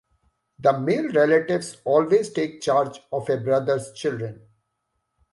The male relatives always take charge of a brother's children.